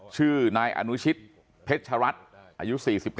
ชื่อนายอนุชิตเพชรัตน์อายุ๔๕